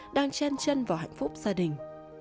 đang chen chân vào hạnh phúc gia đình